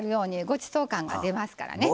ごちそう感が出ますからね。